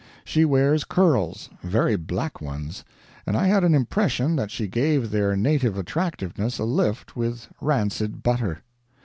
She wears curls very black ones, and I had an impression that she gave their native attractiveness a lift with rancid butter.